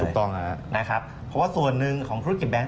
ถูกต้องครับนะครับเพราะว่าส่วนหนึ่งของธุรกิจแบงค